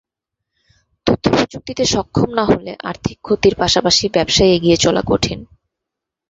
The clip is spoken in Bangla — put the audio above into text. তথ্যপ্রযুক্তিতে সক্ষম না হলে আর্থিক ক্ষতির পাশাপাশি ব্যবসায় এগিয়ে চলা কঠিন।